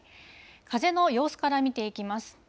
風の様子から見ていきます。